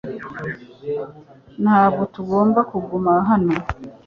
Ntabwo tugomba kuguma hano .